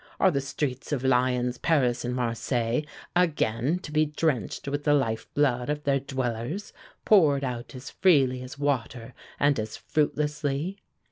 Are the streets of Lyons, Paris and Marseilles again to be drenched with the life blood of their dwellers, poured out as freely as water and as fruitlessly?